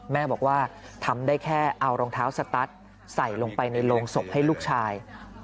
แม่บอกว่าทำได้แค่เอารองเท้าสตัสใส่ลงไปในโรงศพให้ลูกชาย